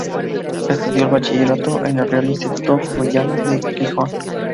Estudió el bachillerato en el Real Instituto Jovellanos de Gijón.